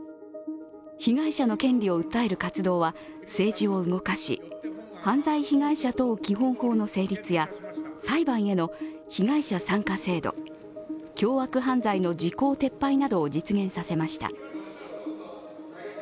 被害者の権利を訴える活動は政治を動かし犯罪被害者等基本法の成立や裁判への被害者参加制度、凶悪犯罪の時効撤廃などを実現させました。